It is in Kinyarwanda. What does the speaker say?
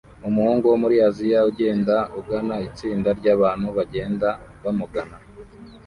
Umugabo wo muri Aziya ugenda ugana itsinda ryabantu bagenda bamugana